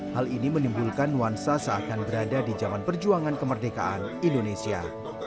hal ini menimbulkan nuansa seakan berada di zaman perjuangan kemerdekaan indonesia